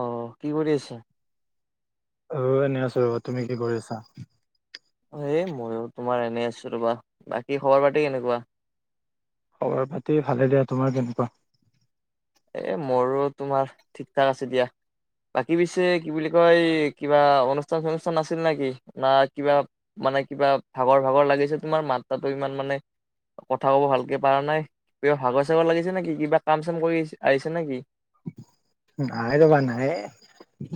অ, কি কৰি আছা? অ, এনে আছো ৰ তুমি কি কৰি আছা? এই মইো তোমাৰ এনেই আছো ৰবা বাকী খবৰ পাতি কেনেকুৱা? খবৰ পাতি ভালে দিয়া তোমাৰ কেনেকুৱা? এ মোৰো তোমাৰ ঠিক ঠাক আছে দিয়া। বাকী পিছে কি বুলি কয় কিবা অনুষ্ঠান চনুষ্ঠান আছিল নেকি না কিবা মানে কিবা ভাগৰ ভাগৰ লাগিছে তোমাৰ মাত্ৰাটো ইমান মানে কথা কব ভালকে পাৰা নাই কিবা ভাগৰ চাগৰ লাগিছে নেকি কিবা কাম চাম কৰি আহিছে নেকি? নাইলগা নাইয়ে।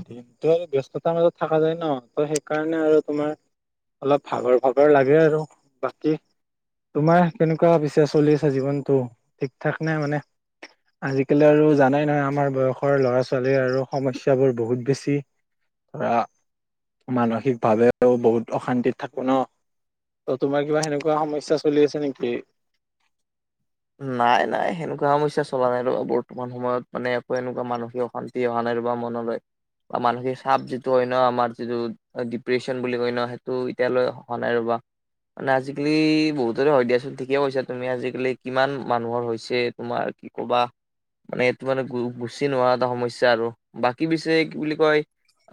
দিনটো আৰু ব্যস্ততাৰ মাজত থাকা যায় ন ত সেইকাৰণে আৰু তোমাৰ অলপ ভাগৰ - ভাগৰ লাগে আৰু বাকী তোমাৰ কেনেকুৱা পিছে চলি আছে জীৱনটো ঠিক থাক নাই মানে আজিকালি আৰু জানাই নহয় আমাৰ বয়স সৰু ল'ৰা - ছোৱালীৰ আৰু সমস্যাবোৰ বহুত বেছি ধৰা মানসিকভাৱেও বহুত অশান্তিত থাকো ন। ত তোমাৰ কিবা সেনেকুৱা সমস্যা চলি আছে নেকি? নাই - নাই সেনেকুৱা সমস্যা চলা নাই ৰ বৰ্তমান সময়ত মানে একো এনেকুৱা মানসিক অশান্তি সি অহা নাই ৰবা মনলৈ বা মানসিক চাপ যিটো হয় ন আমাৰ যিটো ডিপ্ৰেশচন বুলি কয় ন সেইটো এতিয়ালৈ আহা নাই ৰবা, মানে আজিকালি বহুতৰে হয় দিয়াচোন ঠিকে কৈছা তুমি আজিকালি কিমান মানুহৰ হৈছে তোমাৰ কি ক'বা মানে এইটো মানে গো গুচি নোহোৱা এটা সমস্যা আৰু বাকী পিছে কি বুলি কয়,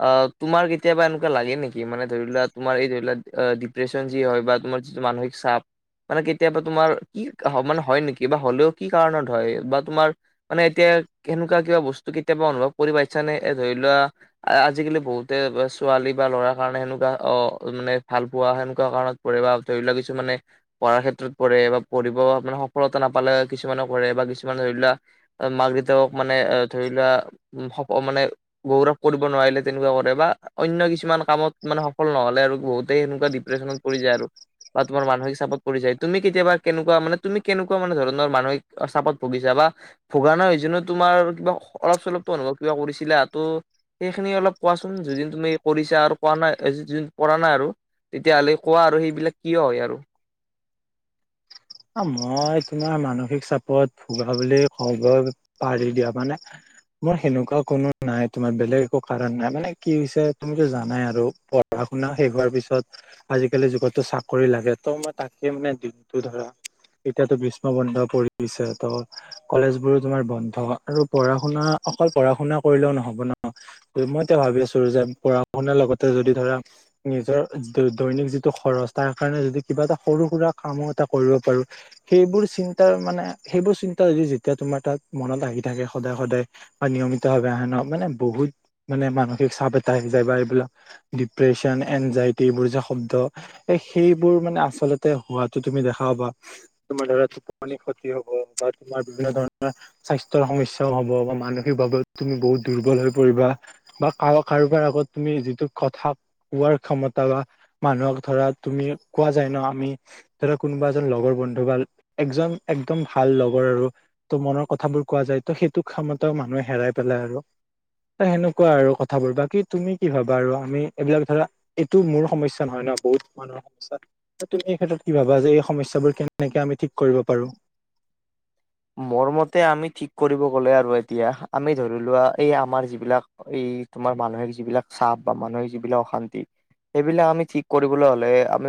আ তোমাৰ কেতিয়াবা এনেকা লাগে নেকি মানে ধৰি লোৱা তোমাৰ এই ধৰি লোৱা ডিপ্ৰেচন যি হয় বা তোমাৰ, যিটো মানসিক চাপ মানে কেতিয়াবা তোমাৰ কি হ মানে হয় নেকি বা হ'লেও কি কাৰণত হয় বা তোমাৰ, মানে এতিয়া কেনেকুৱা কিবা বস্তু কেতিয়াবা অনুভৱ কৰি পাইছা নে এ ধৰি লোৱা, আজিকালি বহুতে ছোৱালী বা ল'ৰাৰ কাৰণে সেনেকুৱা অ মানে ভাল পোৱা সেনেকুৱা কাৰণত বা ধৰি লোৱা কিছু মানে পঢ়াৰ ক্ষেত্ৰত পৰে বা পঢ়িব মানে, সফলতা নাপালে কিছুমানে কৰে বা কিছুমানে ধৰি লোৱা মাক দেউতাক মানে ধৰি লোৱা উম হপ মানে গৌৰৱ কৰিব নোৱাৰিলে তেনেকুৱা কৰে বা অন্য কিছুমান কামত মানে সফল নহলে আৰু বহুতেই সেনেকুৱা ডিপ্ৰেছনত পৰি যায় আৰু বা তোমাৰ মানসিক চাপত পৰি যায় তুমি কেতিয়াবা কেনেকুৱা মানে তুমি কেনেকুৱা মানে ধৰণৰ মানসিক চাপত ভুগিচা বা ভগানৰ হৈছো তোমাৰ কিবা অলপ চলপ অনুভৱ কিবা কৰিছিলো টো সেইখিনি অলপ কোৱাচোন যদিন তুমি কৰিছা আৰু কোৱা নাই য কৰা নাই আৰু তেতিয়া হ'লে কোৱা আৰু সেইবিলাক কিয় হয় আৰু মই তোমাৰ মানসিক চাপত ভোগা বুলি কব পাৰি দিয়া মানে, মোৰ সেনেকুৱা কোনো নাই তোমাৰ বেলেগ একো কাৰণ নাই মানে কি হৈছে তুমিতো জানাই আৰু পঢ়া শুনা শেষ হোৱাৰ পিছত আজিকালি যুগতো চাকৰি লাগে ত' মই তাকে মানে দিনটো ধৰা, এতিয়াতো গ্ৰীষ্ম বন্ধ পৰিছে ত, কলেজ বোৰো তোমাৰ বন্ধ আৰু পঢ়া শুনা অকল পঢ়া শুনা কৰিলেও নহব ন মই এতিয়া ভাবি আছো যে পঢ়া শুনাৰ লগতে যদি ধৰা নিজৰ দৈনিক যিটো খৰচ তাৰ কাৰণে যদি কিবা এটা সৰু সুৰা কামো এটা কৰিব পাৰোঁ সেইবোৰ চিন্তাৰ মানে সেইবোৰ চিন্তা যদি যেতিয়া তোমাৰ তাত মনত আহি থাকে সদায় সদায় বা নিয়মিতভাৱে আহে ন মানে বহুত মানে মানসিক চাপ এটা আহি যায় বা এইবিলাক ডিপ্ৰেশ্যন এনজাইটি এইবোৰ যে শব্দ এ সেইবোৰ মানে আচলতে হোৱাটো তুমি দেখা পাবা, তোমাৰ ধৰা টোপনি খতি হ'ব বা তোমাৰ বিভিন্ন ধৰণৰ, স্বাস্থ্যৰ সমস্যাও হব বা মানসিকভাৱে তুমি বহুত দুৰ্বল হৈ পৰিবা। বা কাৱাক কাৰোবাৰ আগত তুমি যিটো কথা কোৱাৰ ক্ষমতা বা মানুহক ধৰা তুমি কোৱা যায় ন আমি ধৰা কোনোবা এজন লগৰ বন্ধু বা একজন একদম ভাল লগৰ আৰু ত' মনৰ কথাবোৰ কোৱা যায় ত' সেইটো ক্ষমতাও মানুহে হেৰাই পেলাই আৰু। ত সেনকুৱা আৰু কথাবোৰ বাকি তুমি কি ভাবা আৰু আমি এইবিলাক ধৰা এইটো মোৰ সমস্যা নহয় নহ বহুত মানুহ সমস্যা ত তুমি এই ক্ষেত্ৰত কি ভাবা যে এই স সমস্যাবোৰ কেনেকে আমি ঠিক কৰিব পাৰো। মোৰ মতে আমি ঠিক কৰিব গ'লে আৰু এতিয়া আমি ধৰি লোৱা এই আমাৰ যিবিলাক এই তোমাৰ মানুহে যিবিলাক চাপ বা মানসিক যিবিলাক অশান্তি সেইবিলাক আমি ঠিক কৰিবলৈ হলে আমি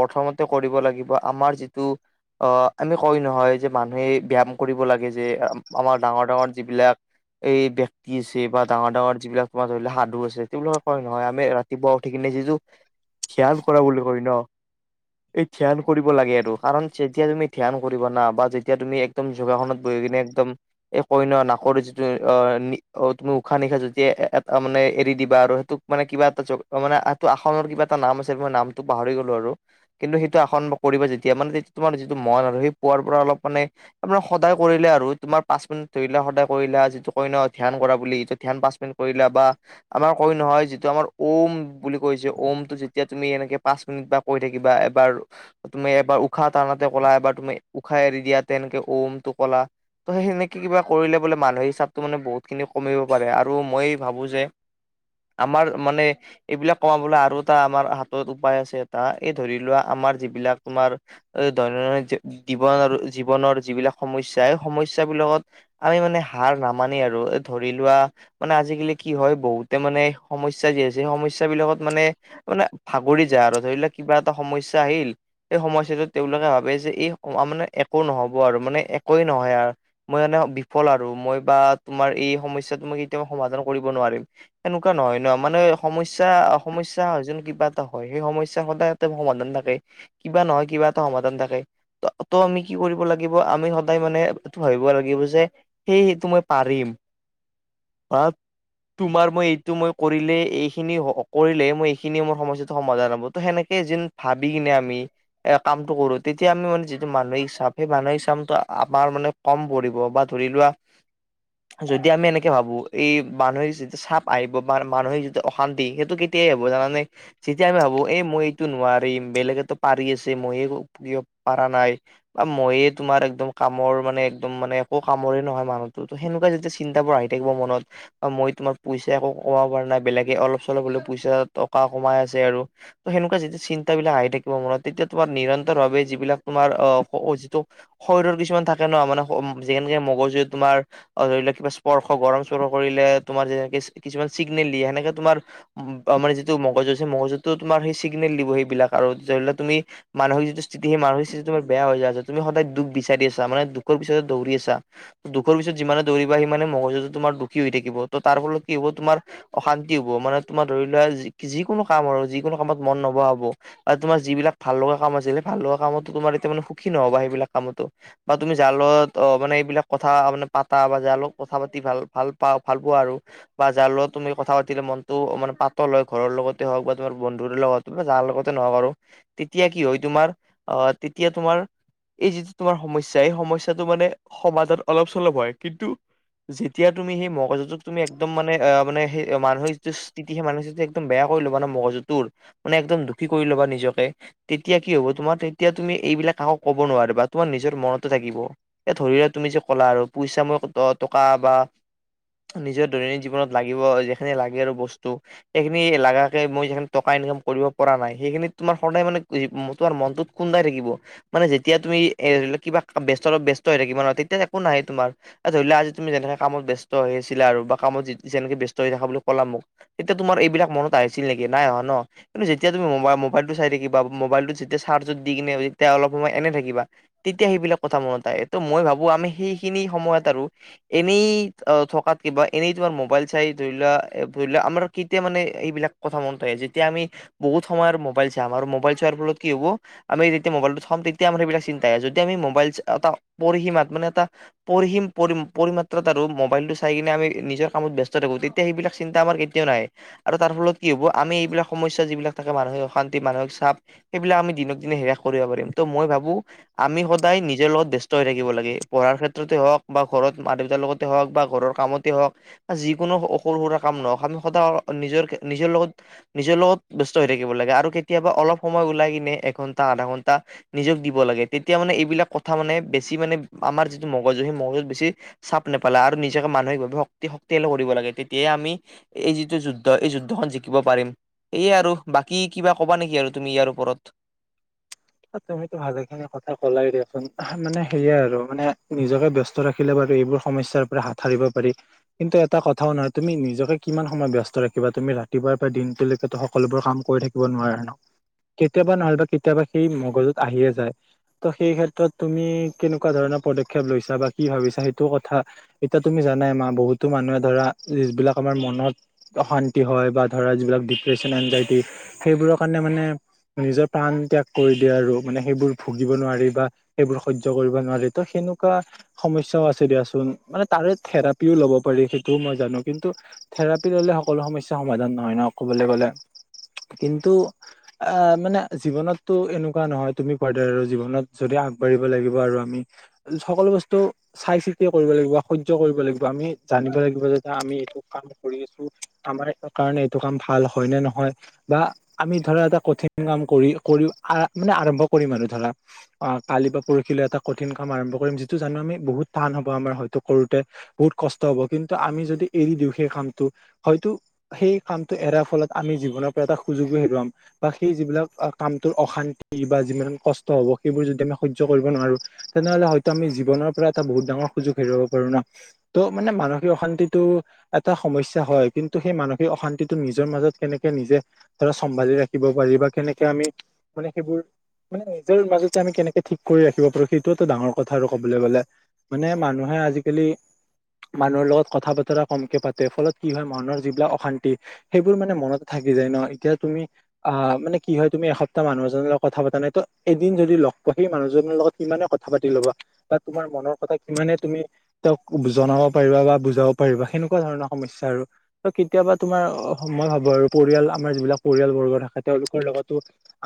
প্ৰথমতে কৰিব লাগিব আমাৰ যিটো অ আমি কয় নহয় যে মানুহে ব্যায়াম কৰিব লাগে যে আমাৰ ডাঙৰ ডাঙৰ যিবিলাক এই ব্যক্তি আছে বা ডাঙৰ ডাঙৰ যিবিলাক তোমাৰ ধৰি লও সাধু আছে তেওঁ বিলাকে কয় নহয় আমি ৰাতি ৰাতিপুৱা উঠি কিনে যিযো খিয়ান কৰা বুলি কয় ন এই ধ্যান কৰিব লাগে এটো কাৰণ যেতিয়া তুমি ধ্যান কৰিব না বা যেতিয়া তুমি একদম যোগাসনত বহি কিনে একদম এ কই ন নাকৰ যিটো এ অ নি অ তুমি উশাহ নিশাহ যেতিয়া এটা মানে এৰি দিবা আৰু সেটোক মানে কিবা এটা যব মানে আটো আসনৰ কিবা এটা নাম আছে মই নামটো পাহৰি গ'লো আৰু। কিন্তু সেইটো আসন ব কৰিবা যেতিয়া মানে তে তোমাৰ যিটো মন আৰু, সেই পোৱাৰ পৰা অলপ মানে তোমাৰ সদায় কৰিলে আৰু তোমাৰ পাঁচ মিনিট তৰিলে সদায় কৰিলে আ যিটো কই ন ধ্যান কৰা বুলি ইটো ধান পাচ মিনিট কৰিলা বা আমাৰ কৈ নহয় যিটো আমাৰ ওঁম বুলি কৈছে, ওঁমটো যেতিয়া তুমি এনেকে পাঁচ মিনিট বা কৈ থাকিবা এবাৰ তুমি এবাৰ উশাহ টানাতে কলা এবাৰ তুমি উশাহ এৰি দিয়া তেনকে ওমটোকলা ত' সেই সেনেকে কিবা কৰিলে বোলে মানহিক চাপটো মানে বহুতখিনি কমিব পাৰে আৰু মই ভাবোঁ যে আমাৰ মানে এইবিলাক কমাবলৈ আৰু এটা আমাৰ হাতত উপায় আছে, এটা এই ধৰি লোৱা আমাৰ যিবিলাক তোমাৰ দৈ দৈনদৈনিক জীৱন আৰু জীৱনৰ যিবিলাক সমস্যা, এই সমস্যা বিলাগত আমি মানে হাড় নামানি আৰু, এ ধৰি লোৱা মানে আজিকালি কি হয় বহুতে মানে সমস্যা যি আছে, সেই সমস্যা বিলাকত মানে মানে ভাগৰি যা আৰু, ধৰি ল কিবা এটা সমস্যা আহিল এই সমস্যাটো তেওঁলোকে ভাবে যে এই মা মানে একো নহব আৰু, মানে একোৱেই নহয় আ মই মানে বিফল আৰু মই বা তোমাৰ এই সমস্যাটো মই কেতিয়াও সমাধান কৰিব নোৱাৰিম। এনেকুৱা নহয় নহ, মানে সমস্যা, সমস্যা হয় যেন, কিবা এটা হয়, সেই সমস্যা সদায় সমাধান থাকে, কিবা নহয় কিবা এটা সমাধান থাকে, ত ত' আমি কি কৰিব লাগ গিব আমি সদায় মানে টো ভাবিব লাগিব যে, সেই সেইটো মই পাৰিম। পাত তোমাৰ মই এইটো মই কৰিলে এইখিনি হ কৰিলে মই এইখিনিয়ে ম সমস্যাটো সমাধান হ'ব, ত সেনেকে যেন ভাবি কিনে আমি, এ কামটো কৰো, তেতিয়া আমি মানে যিটো মানসিক চাপ সেই মানহিক চামটো আমাৰ মানে কম পৰিব, বা ধৰি লোৱা [inaudible] যদি আমি এনেকে ভাবো, এই মানুহিক যি চাপ আহিব বা মানসিক যিটো অশান্তি, সেইটো কেতিয়াই হব জানানে তেতিয়া আমি ভাবো, এই মই এইটো নোৱাৰিম, বেলেগেতো পাৰি আছে মইয়ে গ দিব পাৰা নাই বা মইয়ে তোমাৰ একদম কামৰ মানে একদম মানে একো কামৰে নহয় মানুহতো, ত সেনেকুৱা যেতিয়া চিন্তাবোৰ আহি থাকিব মনত অ মই তোমাক পইচা একো কমাব পৰা নাই, বেলেগে অলপ চলপ হলেও পইচা টকা কমাই আছে আৰু ত সেনেকুৱা যেতিয়া চিন্তাবিলাক আহি থাকিব মনত, তেতিয়া তোমাৰ নিৰন্তৰ ভাৱে যিবিলাক তোমাৰ অ ওহ যিটো শৰীৰৰ কিছুমান থাকে ন মানে হ ম যেনকে মগজুৱে তোমাৰ অ ধৰি লওক কিবা স্পৰ্শ গৰম-চৰম কৰিলে, তোমাৰ যেনেকে কিছুমান চিগনেল দিয়ে, সেনেকে তোমাৰ আমাৰ যিটো মগজু আছে, মগজুতো তোমাৰ সেই চিগনেল দিব সেইবিলাক আৰু, ধৰি লোৱা তুমি মানসিক যিটো স্থিতি, সে মানসিক স্থিতি তোমাৰ বেয়া হৈ যাই আছা, তুমি সদায় দুখ বিচাৰি আছা, মানে দুখৰ পিছত দৌৰি আছা দুখৰ পিছ যিমানেই দৌৰিবা সিমানে মগজুটো তোমাৰ দুখী হৈ থাকিব, ত তাৰ ফলত কি হ'ব তোমাৰ অশান্তি হব, মানে তোমাৰ ধৰি লোৱা, যিকোনো কাম আৰু যিকোনো কামত মন নবহা হব বা তোমাৰ যিবিলাক ভাল লগা কাম আছিল, সেই ভাল লগা কামতোমাৰ এতিয়া মানে সুখী নহবা সেইবিলাক কামতো। বা তুমি যাৰ লগত অ মানে এইবিলাক কথা মানে পাতা বা যাৰ লগত কথা পাতি ভাল ভাল পা ভাল পোৱা আৰু বা যাৰ লগত তুমি কথা পাতিলে মনত অ মানে পাতল হয় ঘৰৰ লগতে হওক বা তোমাৰ বন্ধুৰ লগত যাৰ লগতে নহও আৰু, তেতিয়া কি হয় তোমাৰ, আহ তেতিয়া তোমাৰ এই যিটো তোমাৰ সমস্যা, এই সমস্যাটো মানে সমাধান অলপ চলপ হয়, কিন্তু যেতিয়া তুমি সেই মগজুটোক তুমি একদম মানে অ মানে সে মানসিক সিতি সে মানুহ একদম বেয়া কৰি ল'বা না মগজুটোৰ, মানে একদম দুখী কৰি ল'বা নিজকে তেতিয়া কি হব তোমাৰ, তেতিয়া তুমি এইবিলাক কাকো কব নোৱাৰিবা, তোমাৰ নিজৰ মনতে থাকিব। এ ধৰি লোৱা তুমি যে ক'লা আৰু পইচা মই টকা বা নিজৰ দৈনন্দিন জীৱনত লাগিব, যিখিনি লাগে আৰু বস্তু। সেইখিনি লাগাকে মই যেইখিনি টকা ইনকাম কৰিব পৰা নাই, সেইখিনি তুমাৰ সদায় মানে তোমাৰ মনটোত খুন্দাই থাকিব, মানে যেতিয়া তুমি কিবা ব্যস্ত ব্যস্ত হৈ থাকিবা ন, তেতিয়া একো নাহেই তোমাৰ। ধৰি লোৱা আজি তুমি যেনেকে কামত ব্যস্ত হৈ আছিলা আৰু বা কামত যেনেকে ব্যস্ত হৈ থাকা বুলি ক'লা মোক এতিয়া তোমাৰ এইবিলাক মনত আহিছিল নেকি নাই অহা ন কিন্তু যেতিয়া তুমি মবা মোবাইলটো চাই থাকিবা, মোবাইলটোত যেতিয়া চাৰ্জত দি কিনে তেতিয়া অলপ সময় এনে থাকিবা। তেতিয়া সেইবিলাক কথা মনত আহে এইটো মই ভাবো আমি সেইখিনি সময়ত আৰু এনেই থকাত কিবা এনেই তোমাৰ মোবাইল চাই ধৰি লোৱা ধৰি লোৱা আমাৰ কেতিয়া মানে এইবিলাক কথা মনত যেতিয়া আমি বহুত সময়ৰ মোবাইল চাম আৰু মোবাইল চোৱাৰ ফলত কি হ'ব আমি যেতিয়া মোবাইলটো থম তেতিয়া সেইবিলাক চিন্তাই যদি আমি মোবাইল এটা পৰিসীমাত মানে এটা পৰিসীম পৰি পৰিমাত্ৰতাৰো মোবাইলটো চাই কিনে আমি নিজৰ কামত ব্যস্ত থাকো তেতিয়া সেইবিলাক চিন্তা আমাৰ কেত- তেয় নাহে আৰু তাৰ ফলত কি হ'ব আমি এইবিলাক সমস্যা যিবিলাক থাকে মানুহে অশান্তি মানসিক চাপ সেইবিলাক আমি দিনক দিনে হেৰাশ কৰিব পাৰিম ত মই ভাবো আমি সদায় নিজৰ লগত ব্যস্ত হৈ থাকিব লাগে পঢ়াৰ ক্ষেত্ৰতে হওঁক বা ঘৰত মা দেউতাৰ লগত হওক বা ঘৰৰ কামতেই হওক যিকোনো সৰু সুৰা কাম নহওক আমি সদায় নিজৰ নিজৰ লগত নিজৰ লগত ব্যস্ত হৈ থাকিব লাগে আৰু কেতিয়াবা অলপ সময় ওলাই কিনে এঘন্টা আধা ঘন্টা নিজক দিব লাগে তেতিয়া মানে এইবিলাক কথা মানে বেছি মানে আমাৰ যিটো মগজু সেই মগজুত বেছি চাপ নেপালে আৰু নিজকে মানসিকভাৱে শক্তি শক্তিশালী কৰিব লাগে তেতিয়াই আমি এই যিটো যুদ্ধ এই যুদ্ধখন জিকিব পাৰিম। সেয়ে আৰু বাকী কিবা কবা নেকি আৰু তুমি ইয়াৰ ওপৰত? তুমিতো ভালে খিনি কথা কলাই দিয়াচোন মানে সেয়াই আৰু মানে নিজকে ব্যস্ত ত ৰাখিলে বাৰু এইবোৰ সমস্যাৰ পৰা হাত সাৰিব পাৰি। কিন্তু এটা কথাও নহয় তুমি নিজকে কিমান সময় ব্যস্ত ৰাখিবা তুমি ৰাতিপুৱাৰ পৰা দিনটোলৈকে সকলোবোৰ কাম কৰি থাইক- ব নোৱাৰা ন কেতিয়াবা নহলবা কেতিয়াবা সেই মগজুত আহিয়ে যায়। ত সেই ক্ষেত্ৰত তুমি কেনেকুৱা ধৰণৰ পদক্ষেপ লৈছা বা কি ভাবিছা সেইটো কথা এতিয়া তুমি জানাই মা বহুতো মানুহে ধৰা যিবিলাক আমাৰ মনত অশান্তি হয় বা ধৰা যিবিলাক ডিপ্ৰেশচন এনজাইটি সেইবোৰৰ কাৰণে মানে নিজৰ প্ৰাণ ত্যাগ কৈ দিয়ে আৰু মানে সেইবোৰ ভুগিব নোৱাৰি বা সেইবোৰ সহ্য কৰিব নোৱাৰি, ত সেনেকুৱা সমস্যাও আছে দিয়াচোন মানে তাৰে থেৰাপিও ল'ব পাৰি সেইটোও মই জানো কিন্তু থেৰাপি ল'লে সকলো সমস্যা সমাধান নহয় ন ক'বলে গ'লে। কিন্তু আহ মানে জীৱনত ত এনেকুৱা নহয় তুমি কোৱাৰ আৰু জীৱনত যদি আগবাঢ়িব লাগিব আৰু আমি সকলো বস্তু চাই চিতি কৰিব লাগিব, সহ্য কৰিব লাগিব, আমি জানিব লাগিব যেতিয়া আমি এইটো কাম কৰি আছো। আমাৰ কাৰণে এইটো কাম ভাল হয় নে নহয়? বা আমি ধৰা এটা কঠিন কাম কৰি কৰি মানে আৰম্ভ কৰিম আৰু ধৰা। অ কালি বা পৰখিলৈ এটা কঠিন কাম আৰম্ভ কৰিম, যিটো জানো আমি বহুত টান হব আমাৰ হয়তো কৰোতে। বহুত কষ্ট হব কিন্তু আমি যদি এৰি দিওঁ সেই কামটো হয়তো সেই কামটো এৰাৰ ফলত আমি জীৱনৰ পৰা এটা সুযোগো হেৰুৱাম বা সেই যিবিলাক কাম তোৰ অশান্তি বা যিমান কষ্ট হ'ব সেইবোৰ যদি আমি সহ্য কৰিব নোৱাৰো। তেনেহলে হয়তো আমি জীৱনৰ পৰা এটা বহুত ডাঙৰ সুযোগ হেৰুৱাব পাৰো ন। ত মানে মানসিক অশান্তিটো এটা সমস্যা হয় কিন্তু সেই মানসিক অশান্তিটো নিজৰ মাজত কেনেকে নিজে ধৰা চম্ভালি ৰাখিব পাৰি বা কেনেকে আমি মানে সেইবোৰ মানে নিজৰ মাজতে আমি কেনেকে ঠিক কৰি ৰাখিব পাৰো, সেইটোতো ডাঙৰ কথা আৰু ক'বলে গ'লে। মানে মানুহে আজিকালি মানুহৰ লগত কথা বতৰা কমকে পাতে ফলত কি হয় মানুহৰ যিবিলাক অশান্তি সেইবোৰ মানে মনতে থাকি যায় ন, এতিয়া তুমি আহ মানে কি হয় তুমি এসপ- টা মানুহ এজনৰ লগত কথা পতা নাই ত এদিন যদি লগ পোৱা সেই মানুহজনৰ লগত কিমানে কথা পাতি ল'বা? বা তোমাৰ মনৰ কথা কিমানে তুমি তেওঁক জনাব পাৰিবা বা বুজাব পাৰিবা সেনেকুৱা ধৰণৰ সমস্যা আৰু। ত কেতিয়াবা তোমাৰ মই ভাবো আৰু পৰিয়াল আমাৰ যিবিলাক পৰিয়াল বৰ্গ থাকে তেওঁলোকৰ লগতো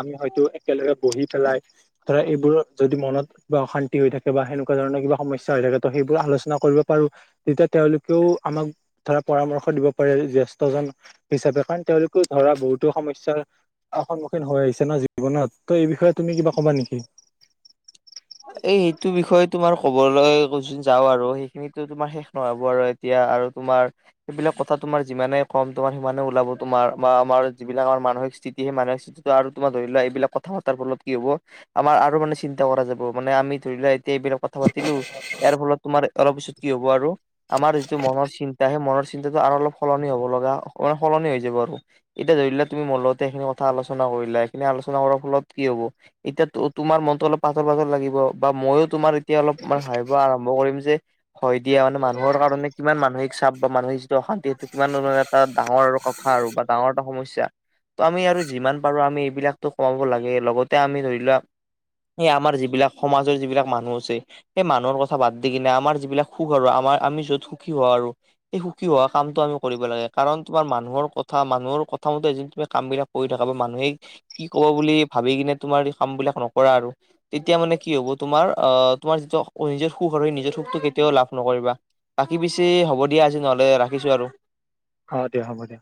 আমি হয়তো একেলগে বহি পেলাই ধৰা এইবোৰ যদি মনত বা অশান্তি হৈ থাকে বা সেনেকুৱা ধৰণৰ কিবা সমস্যা হৈ থাকে ত সেইবোৰ আলোচনা কৰিব পাৰো। তেতিয়া তেওঁলোকেও আমাক ধৰা পৰামৰ্শ দিব পাৰে জ্যেষ্ঠজন হিচাপে কাৰণ তেওঁলোকে ধৰা বহুতো সমস্যাৰ অ, সন্মুখীন হৈ আহিছ তে ন জীৱনত, ত এই বিষয়ে তুমি কিবা কবা নেকি? এই সেইটো বিষয়ে তোমাৰ ক'বলৈ যোন যাও আৰু সেইখিনিতো তোমাৰ শেষ নহব আৰু এতিয়া আৰু তোমাৰ সেইবিলাক কথা তোমাৰ যিমানে কম তোমাৰ সিমানে ওলাব তোমাৰ বা আমাৰ যিবিলাক আমাৰ মানসিক স্থিতি, সেই মানসিক আৰু তোমাৰ ধৰি লোৱা এইবিলাক কথা পতাৰ ফলত কি হ'ব আমাৰ আৰু মানে চিন্তা কৰা যা ব মানে আমি ধৰি লোৱা এতিয়া এইবিলাক কথা পাতিলো ইয়াৰ ফলত তোমাৰ অলপ পিছত কি হব আৰু। আমাৰ যিটো মনৰ চিন্তা সেই মনৰ চিন্তাটো আৰু অলপ সলনি হ'ব লগা মানে সলনি হৈ যাব আৰু। এতিয়া ধৰি লোৱা তুমি মোৰ লগতে এইখিনি কথা আলোচনা কৰিলা, এইখিনি আলোচনা কৰাৰ ফলত কি হ'ব? এতিয়া ত তোমাৰ মনটো অলপমান ত ভাগৰ লাগিব বা মইও তোমাৰ এতিয়া অলপ তোমাৰ ভাবিব আৰম্ভ কৰিম যে হয় দিয়া মানে মানুহৰ কাৰণে কিমান মানুসিক চাপ বা মানুসিক যিটো অশান্তি সেইটো কিমান ধ এটা ডাঙৰ আৰু কথা আৰু বা ডাঙৰ এটা সমস্যা। ত' আমি আৰু যিমান পাৰো আমি এইবিলাকতো খুৱাব লাগে, লগতে আমি ধৰি লোৱা এই আমাৰ যিবিলাক সমাজৰ যিবিলাক মানুহ আছে সেই মানুহৰ কথা বাদ দি কিনে আমাৰ যিবিলাক সুখ আৰু আমাৰ আমি যত সুখী হও আৰু এই সুখী হোৱা কামটো আমি কৰিব লাগে কাৰণ তোমাৰ মানুহৰ কথা মানুহৰ - কথা মতে তুমি কামবিলাক কৰি থকা বা মানুহে কি ক'ব বুলি ভাবি কিনে তোমাৰ এই কামবিলাক নকৰা আৰু। তেতিয়া মানে কি হব তোমাৰ আহ তোমাৰ যিটো নিজৰ সুখ আৰু সেই নিজৰ সুখটো কেতিয়াও লাভ নকৰিবা। বাকি পিছে হ'ব দিয়া আজি নহ'লে ৰাখিছো আৰু। অ, দিয়া হ'ব দিয়া।